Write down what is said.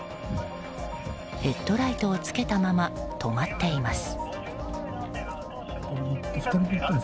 ヘッドライトをつけたまま止まっています。